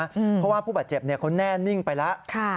เพราะว่าผู้บาดเจ็บเขาแน่นิ่งไปแล้ว